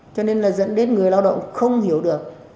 cho nên là dẫn đến người lao động không hiểu được